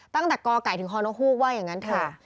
ตั้งแต่กไก่ถึงฮนกฮูกว่าอย่างนั้นเถอะ